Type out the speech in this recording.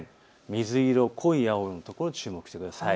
水色、濃い青の所を注目してください。